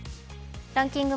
ランキング